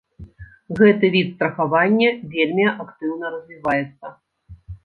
Гэты від страхавання вельмі актыўна развіваецца.